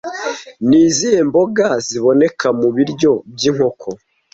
Ni izihe mboga ziboneka mu biryo by'inkoko